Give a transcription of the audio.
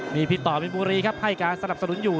มีพี่ต่อบินบุรีครับให้การสนับสนุนอยู่